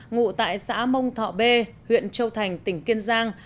ngụ tại xã mông thọ b huyện châu thành tỉnh kiên giang